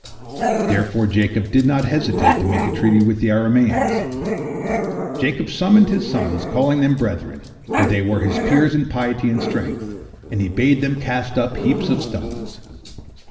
Therefore Jacob did not hesitate to make a treaty with the Arameans. Jacob summoned his sons, calling them brethren, for they were his peers in piety and strength, and he bade them cast up heaps of stones.